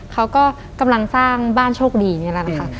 เขาก็กำลังสร้างบ้านโชคดีนี่แหละนะคะ